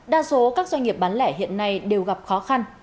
đa số các doanh nghiệp bán lẻ hiện nay đều gặp khó khăn